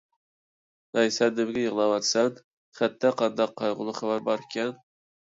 ھەي، سەن نېمىگە يىغلاۋاتىسەن؟ خەتتە قانداق قايغۇلۇق خەۋەر بار ئىكەن؟